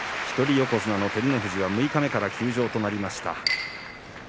一人横綱の照ノ富士は六日目から休場となりました。